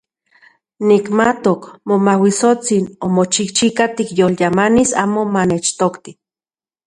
Nikmatok Momauitsotsin omochijchika tikyolyamanis amo manechtokti.